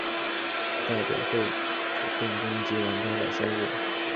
代表会主动攻击玩家的生物。